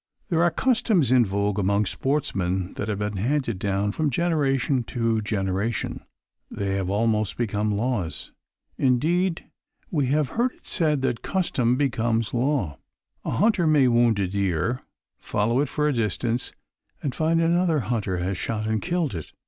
There are customs in vogue among sportsmen that have been handed down from generation to generation, that have almost become laws. Indeed, we have heard it said that custom becomes law. A hunter may wound a deer, follow it for a distance and find that another hunter has shot and killed it.